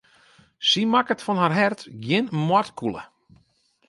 Sy makket fan har hert gjin moardkûle.